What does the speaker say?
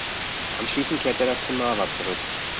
Anschließend kehrte er nach Trnava zurück.